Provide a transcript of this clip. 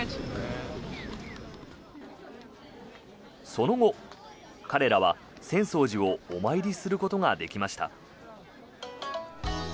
その後、彼らは浅草寺をお参りすることができました。